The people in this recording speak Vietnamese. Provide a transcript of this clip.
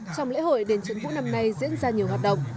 trong lễ hội đền trấn vũ năm nay diễn ra nhiều hoạt động